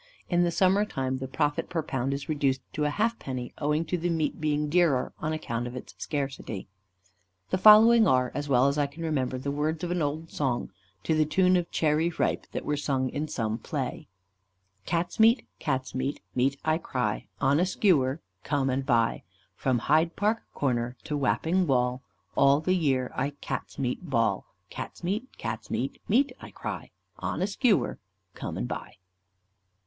In the summer time the profit per pound is reduced to a halfpenny, owing to the meat being dearer, on account of its scarcity." The following are, as well as I can remember, the words of an old song, to the tune of "Cherry Ripe," that were sung in some play: "Cats' meat, Cats' meat meat, I cry, On a skewer come and buy; From Hyde Park Corner to Wapping Wall, All the year I Cats' meat bawl; Cats' meat, Cats' meat meat, I cry, On a skewer come and buy."